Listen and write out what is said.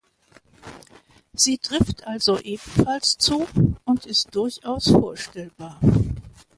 Sie trifft also ebenfalls zu und ist durchaus vorstellbar.